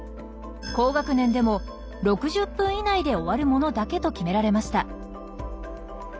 高学年でも６０分以内で終わるものだけと決められました。